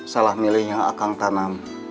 salah milihnya akang tanam